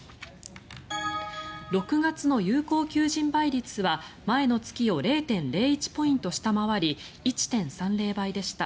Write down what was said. ６月の有効求人倍率は前の月を０．０１ポイント下回り１．３０倍でした。